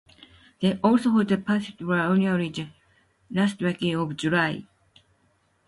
They also host the Perdue fair annually on the last weekend of July.